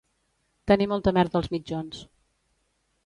Tenir molta merda als mitjons